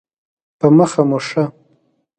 په مخه مو ښه.